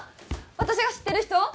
私が知ってる人？